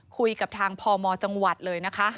คุยกับทางพมจังหวัดเลยนะคะ